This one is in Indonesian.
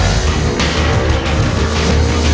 tapi lu gak apa apa kan yo